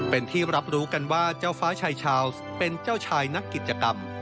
เป็นที่รับรู้กันว่าเจ้าฟ้าชายชาวส์เป็นเจ้าชายนักกิจกรรม